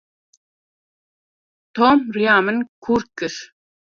Tom riya min kur kir.